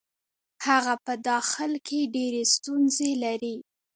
هغه په داخل کې ډېرې ستونزې لري.